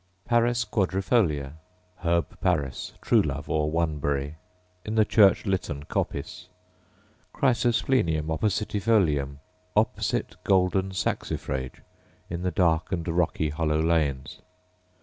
Paris quadrifolia, herb Paris, true love, or one berry, — in the Church Litten coppice. Chrysosplenium oppositifolium, opposite golden saxifrage, — in the dark and rocky hollow lanes.